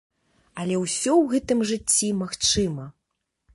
Але ўсё ў гэтым жыцці магчыма.